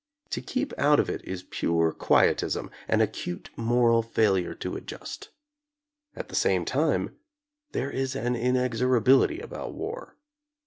To keep out of it is pure quietism, an acute moral failure to adjust. At the same time, there is an inexorability about war.